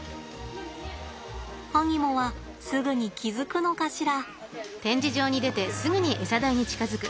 アニモはすぐに気付くのかしら？